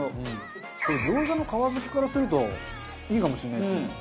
でも餃子の皮好きからするといいかもしれないですね。